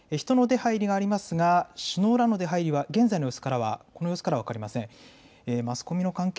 人の出はいりがありますが首脳らの出はいりは現在の様子からはこの様子からは分かりません。